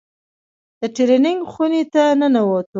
د ټرېننگ خونې ته ننوتو.